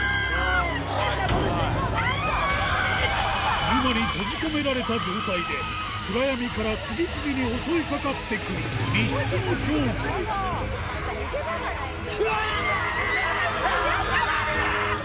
車に閉じ込められた状態で暗闇から次々に襲いかかってくる逃げ場がないんだね。